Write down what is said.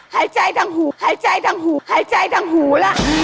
หายใจทั้งหูหายใจทั้งหูหายใจทั้งหูล่ะ